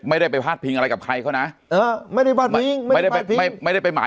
ไม่ได้ไปพาดพิงอะไรกับใครเขานะเออไม่ได้ไปพาดพิงไม่ได้ไปไม่ได้ไปหมาย